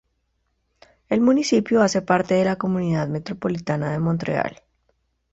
El municipio hace parte de la Comunidad metropolitana de Montreal.